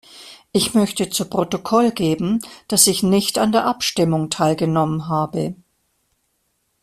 Ich möchte zu Protokoll geben, dass ich nicht an der Abstimmung teilgenommen habe.